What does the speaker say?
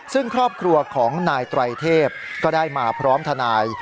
ซึ่งครอบครัวของนายไตรเทพก็ได้มาพร้อมทนาย